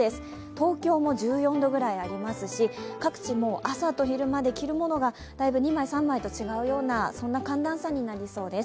東京も１４度ぐらいありますし各地、朝と昼まで着るものが２枚、３枚と違うような寒暖差になりそうです。